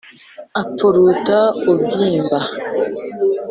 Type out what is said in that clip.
Apfuruta ubwimba